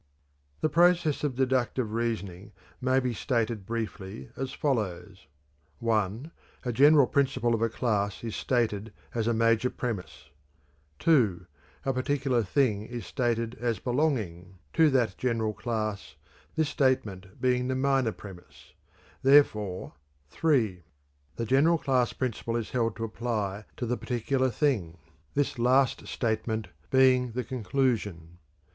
The process of deductive reasoning may be stated briefly as follows: (1) A general principle of a class is stated as a major premise; (2) a particular thing is stated as belonging to that general class, this statement being the minor premise; therefore (3) the general class principle is held to apply to the particular thing, this last statement being the conclusion.